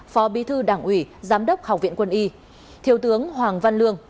phó bí thư đảng ủy giám đốc học viện quân y thiếu tướng hoàng văn lương